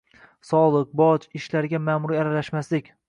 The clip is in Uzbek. Soliq, boj, ishlarga ma’muriy aralashmaslik